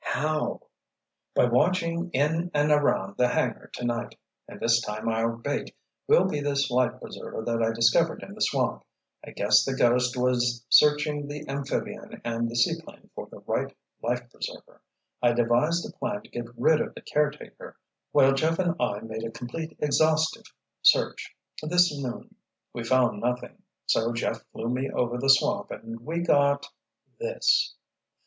"How?" "By watching in and around the hangar to night—and this time our bait will be this life preserver that I discovered in the swamp. I guessed the 'ghost' was searching the amphibian and the seaplane for the right life preserver. I devised a plan to get rid of the caretaker while Jeff and I made a complete, exhaustive search, this noon. We found nothing; so Jeff flew me over the swamp and we got—this."